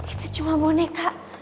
itu cuma boneka